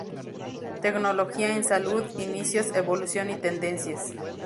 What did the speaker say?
Tecnología en salud: inicios, evolución y tendencias.